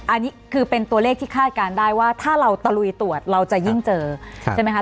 อันนี้คือเป็นตัวเลขที่คาดการณ์ได้ว่าถ้าเราตะลุยตรวจเราจะยิ่งเจอใช่ไหมคะ